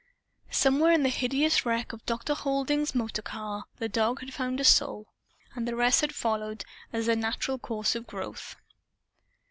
Somewhere in the hideous wreck of Dr. Halding's motorcar the dog had found a soul and the rest had followed as a natural course of growth.